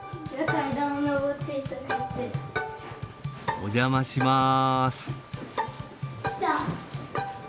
お邪魔します。